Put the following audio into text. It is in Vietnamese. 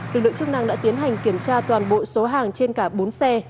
lực lượng chức năng đã tiến hành kiểm tra toàn bộ số hàng trên cả bốn xe